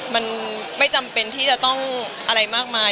มันไม่จำเป็นที่จะต้องอะไรมากมาย